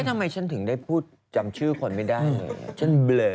ทำไมฉันถึงได้พูดจำชื่อคนไม่ได้เลยฉันเบลอ